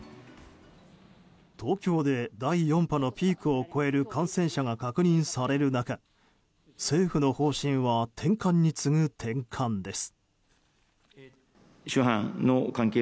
東京で第４波のピークを越える感染者が確認される中政府の方針は転換に次ぐ転換です。